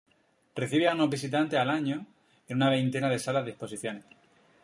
Recibe a unos visitantes al año en una veintena de salas de exposiciones.